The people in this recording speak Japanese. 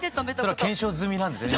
それは検証済みなんですね